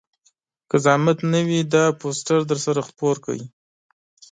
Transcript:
که زحمت نه وي دا پوسټر درسره خپور کړئ